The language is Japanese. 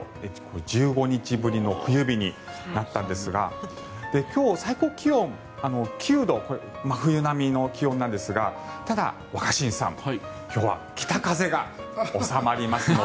１５日ぶりの冬日になったんですが今日、最高気温９度これは真冬並みの気温なんですがただ、若新さん今日は北風が収まりますので。